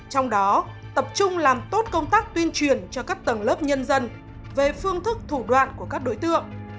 trong đó tập trung làm tốt công tác tuyên truyền cho các tầng lớp nhân dân về phương thức thủ đoạn của các đối tượng